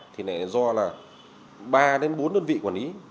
thì lại do là ba đến bốn đơn vị quản lý